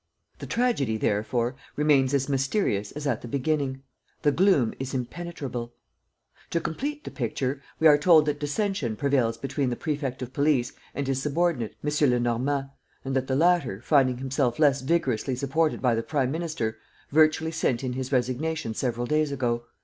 "The tragedy, therefore, remains as mysterious as at the beginning, the gloom is impenetrable. "To complete the picture, we are told that dissension prevails between the prefect of police and his subordinate, M. Lenormand, and that the latter, finding himself less vigorously supported by the prime minister, virtually sent in his resignation several days ago.